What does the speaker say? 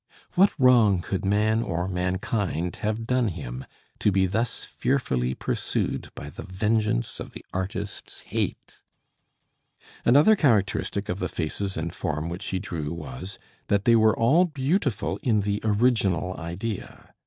What wrong could man or mankind have done him, to be thus fearfully pursued by the vengeance of the artist's hate? Another characteristic of the faces and form which he drew was, that they were all beautiful in the original idea.